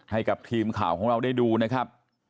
ให้กับทีมข่าวของเราได้ดูนะครับ